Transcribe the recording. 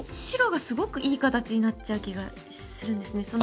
白がすごくいい形になっちゃう気がするんですね。